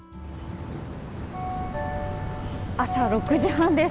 朝６時半です。